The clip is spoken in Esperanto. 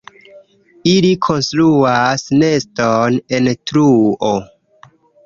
Ili konstruas neston en truo.